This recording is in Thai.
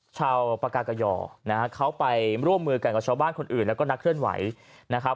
ชาวปากากย่อนะฮะเขาไปร่วมมือกันกับชาวบ้านคนอื่นแล้วก็นักเคลื่อนไหวนะครับ